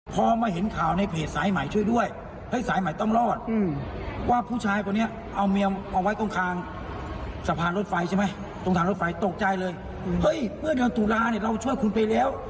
เพื่อนอย่างตุลาเราช่วยคุณไปแล้ว